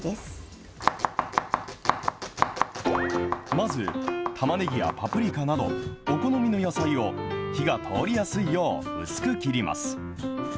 まず、たまねぎやパプリカなど、お好みの野菜を火が通りやすいよう薄く切ります。